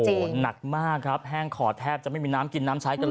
โอ้โหหนักมากครับแห้งขอแทบจะไม่มีน้ำกินน้ำใช้กันเลย